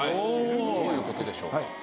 どういう事でしょうか？